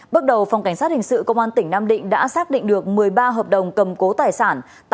bước đầu phòng cảnh sát hình sự công an tỉnh nam định đã xác định được một mươi ba hợp đồng cầm cố tài sản